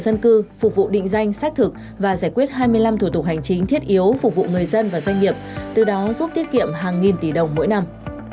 dân cư phục vụ định danh xác thực và giải quyết hai mươi năm thủ tục hành chính thiết yếu phục vụ người dân và doanh nghiệp từ đó giúp tiết kiệm hàng nghìn tỷ đồng mỗi năm